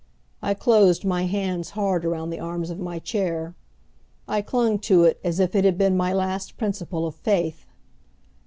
I closed my hands hard around the arms of my chair. I clung to it as if it had been my last principle of faith.